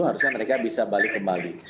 harusnya mereka bisa balik kembali